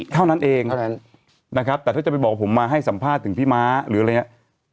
เท่านั้นเองเท่านั้นนะครับแต่ถ้าจะไปบอกผมมาให้สัมภาษณ์ถึงพี่ม้าหรืออะไรอย่างนี้